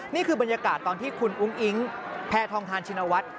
นี่คือบรรยากาศตอนที่คุณอุ้งอิ๊งแพทองทานชินวัฒน์